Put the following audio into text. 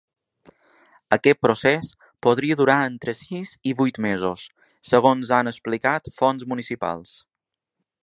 Aquest procés podria durar entre sis i vuit mesos, segons han explicat fonts municipals.